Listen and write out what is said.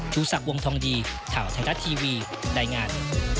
ชูสักวงธองดีถ่าวไทยรัตน์ทีวีได้งาน